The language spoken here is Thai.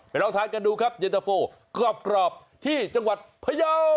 ลองทานกันดูครับเย็นตะโฟกรอบที่จังหวัดพยาว